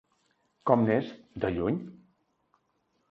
Com n'és, de lluny?